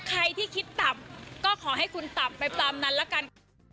ใครที่คิดต่ำก็ขอให้คุณตับไปตามนั้นละกัน